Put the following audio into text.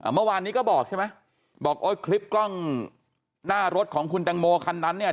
เมื่อวานนี้ก็บอกใช่ไหมบอกโอ๊ยคลิปกล้องหน้ารถของคุณแตงโมคันนั้นเนี่ย